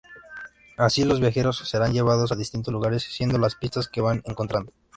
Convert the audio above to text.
Así, los viajeros serán llevados a distintos lugares siguiendo las pistas que van encontrando.